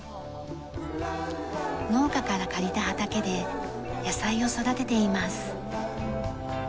農家から借りた畑で野菜を育てています。